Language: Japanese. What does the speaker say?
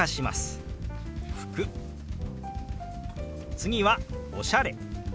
次は「おしゃれ」。